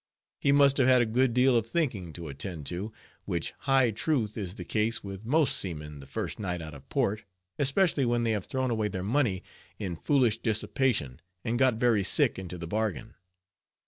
He must have had a good deal of thinking to attend to, which in truth is the case with most seamen the first night out of port, especially when they have thrown away their money in foolish dissipation, and got very sick into the bargain.